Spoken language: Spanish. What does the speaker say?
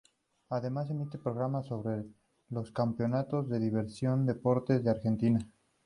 Además, emite programas sobre los campeonatos de diversos deportes de Argentina.